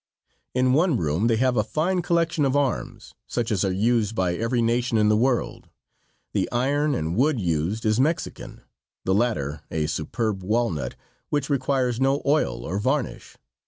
In one room they have a fine collection of arms, such as are used by every nation in the world. The iron and wood used is Mexican, the latter a superb walnut, which requires no oil or varnish.